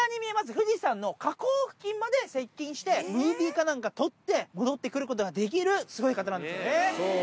富士山の火口付近まで接近して、ムービーかなんか撮って、戻ってくることができる、すごい方なんですよね。